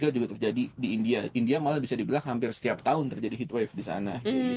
dua ribu dua puluh tiga juga terjadi di india india malah bisa dibilang hampir setiap tahun terjadi heat wave di sana